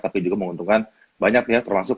tapi juga menguntungkan banyak pihak termasuk